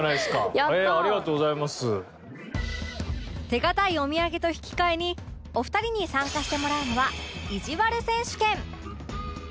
手堅いお土産と引き換えにお二人に参加してもらうのはいじわる選手権